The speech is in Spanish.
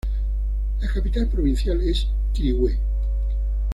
La capital provincial es Quirihue.